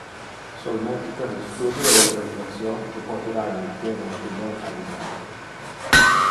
Solmente per le studio e le reflexion tu potera emitter un opinion avisate.